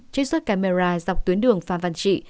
trích xuất camera dọc tuyến đường phan văn trị